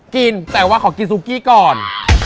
กินแต่ว่าขอกินซุกี้ก่อน